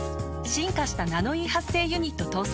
進化した「ナノイー」発生ユニット搭載。